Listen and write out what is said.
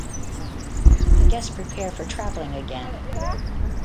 The guests prepare for travelling again.